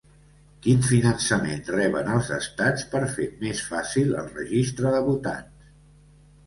Quin finançament reben els estats per fer més fàcil el registre de votants?